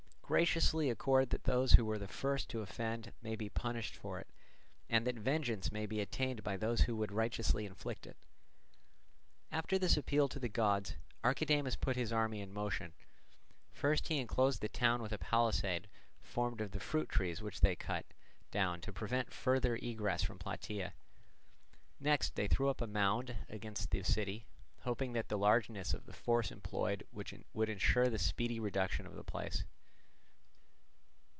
Graciously accord that those who were the first to offend may be punished for it, and that vengeance may be attained by those who would righteously inflict it." After this appeal to the gods Archidamus put his army in motion. First he enclosed the town with a palisade formed of the fruit trees which they cut down, to prevent further egress from Plataea; next they threw up a mound against the city, hoping that the largeness of the force employed would ensure the speedy reduction of the place.